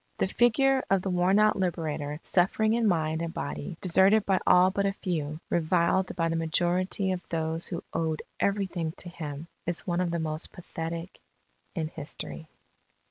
"The figure of the worn out Liberator, suffering in mind and body, deserted by all but a few, reviled by the majority of those who owed everything to him, is one of the most pathetic in history."